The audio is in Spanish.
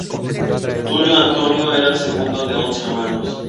Tulio Antonio era el segundo de once hermanos.